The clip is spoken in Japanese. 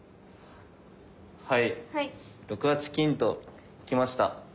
はい６八金ときました。